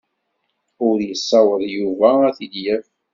Ur yessaweḍ Yuba ad t-id-yaf.